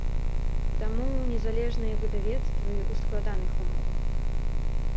Таму незалежныя выдавецтвы ў складаных умовах.